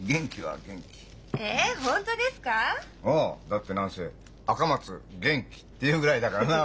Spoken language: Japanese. だって何せ赤松元基っていうぐらいだからな。